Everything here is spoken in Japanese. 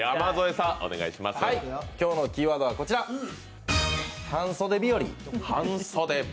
今日のキーワードはこちら半袖日和